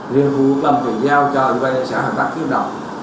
liên hữu bằng quyền giao cho quỹ bán nhân dân xã hòa hiệp bắc ký đồng